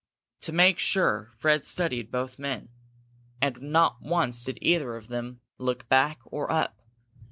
To make sure, Fred studied both men. And not once did either of them look back or up.